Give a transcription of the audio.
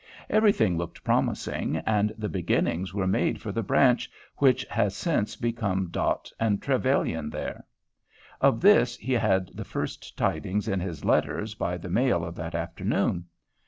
Everything looked promising, and the beginnings were made for the branch which has since become Dot and Trevilyan there. Of this he had the first tidings in his letters by the mail of that afternoon.